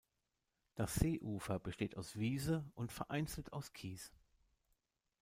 Das Seeufer besteht aus Wiese und vereinzelt aus Kies.